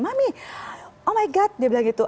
mami oh my god dia bilang gitu